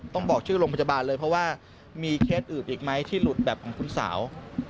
บอกชื่อโรงพยาบาลเลยเพราะว่ามีเคสอื่นอีกไหมที่หลุดแบบของคุณสาว